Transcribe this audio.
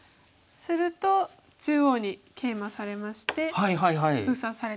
すると中央にケイマされまして封鎖されてしまいます。